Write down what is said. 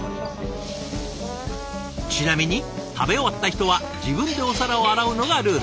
ちなみに食べ終わった人は自分でお皿を洗うのがルール。